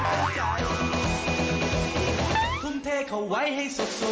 โอ๊ยเจ้าระแข่